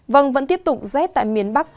vâng vẫn tiếp tục rét tại miền bắc